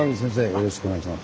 よろしくお願いします。